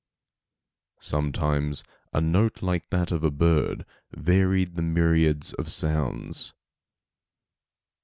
Sometimes a note like that of a bird varied the myriads of sounds.